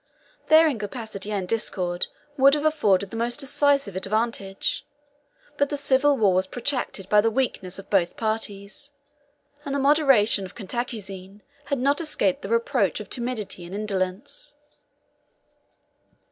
Their incapacity and discord would have afforded the most decisive advantage; but the civil war was protracted by the weakness of both parties; and the moderation of Cantacuzene has not escaped the reproach of timidity and indolence.